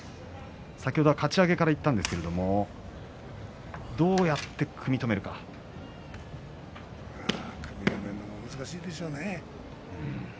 先ほどは、かち上げからいったんですけど組み止めるのが難しいでしょうね。